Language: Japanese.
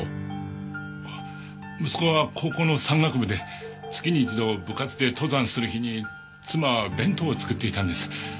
息子は高校の山岳部で月に一度部活で登山する日に妻は弁当を作っていたんです。